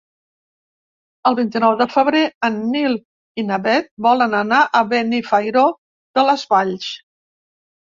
El vint-i-nou de febrer en Nil i na Bet volen anar a Benifairó de les Valls.